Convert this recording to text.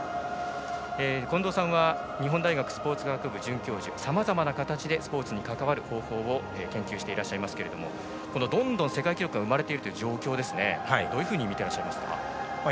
近藤さんは日本大学スポーツ学部准教授さまざまな形でスポーツに関わる方法を研究していらっしゃいますがどんどん世界記録が生まれているという状況どういうふうに見てますか？